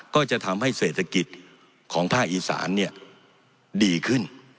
ก็จะทำให้เศรษฐกิจของภาคอีสานดีขึ้น